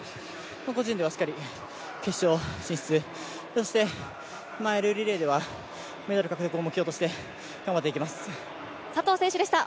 個人ではしっかり決勝進出、そして、マイルリレーではメダル獲得を目標として頑張っていきます。